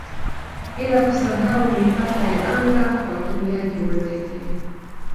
bila kusahau mipaka ya anga kwa watumiaji wa ndege